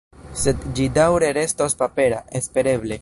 Sed ĝi daŭre restos papera, espereble.